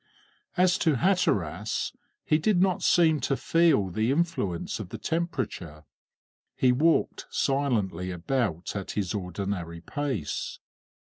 As to Hatteras, he did not seem to feel the influence of the temperature. He walked silently about at his ordinary pace.